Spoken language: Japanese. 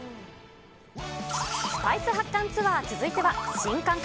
スパイス発汗ツアー、続いては、新感覚！